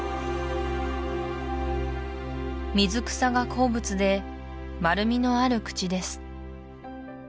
水草が好物で丸みのある口です